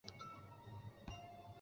累官至都统。